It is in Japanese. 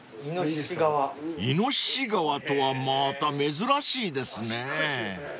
［イノシシ革とはまた珍しいですね］